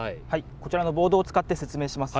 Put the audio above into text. こちらのボードを使って説明します。